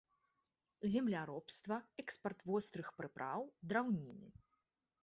Земляробства, экспарт вострых прыпраў, драўніны.